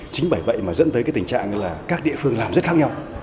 chính bởi vậy mà dẫn tới cái tình trạng là các địa phương làm rất khác nhau